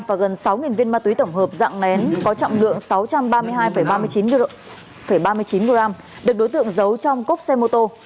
và gần sáu viên ma túy tổng hợp dạng nén có trọng lượng sáu trăm ba mươi hai ba mươi chín gram được đối tượng giấu trong cốc xe mô tô